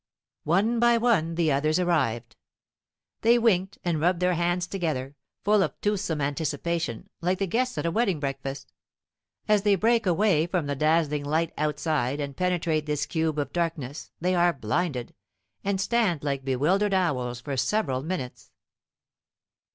One by one the others arrived. They winked and rubbed their hands together, full of toothsome anticipation, like the guests at a wedding breakfast. As they break away from the dazzling light outside and penetrate this cube of darkness, they are blinded, and stand like bewildered owls for several minutes.